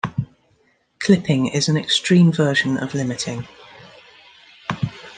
Clipping is an extreme version of limiting.